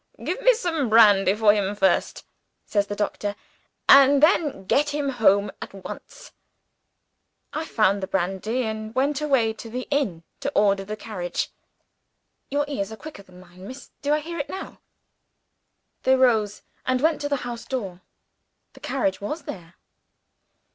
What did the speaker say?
'Give me some brandy for him first,' says the doctor; 'and then get him home at once.' I found the brandy, and went away to the inn to order the carriage. Your ears are quicker than mine, miss do I hear it now?" They rose, and went to the house door. The carriage was there.